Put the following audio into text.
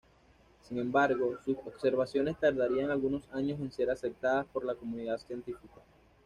Sin embargo sus observaciones tardarían algunos años en ser aceptadas por la comunidad científica.